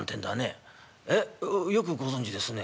「えよくご存じですね」。